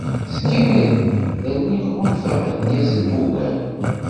Seg yimir-nni rniɣ ɣunfaɣ irgazen ugar.